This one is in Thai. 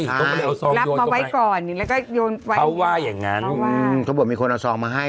รับมาไว้ก่อนแล้วก็โยนไว้เขาว่าอย่างงั้นอืมเขาบอกมีคนเอาซองมาให้